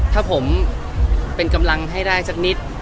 ถ้าผมเป็นกำลังให้ได้สักนิด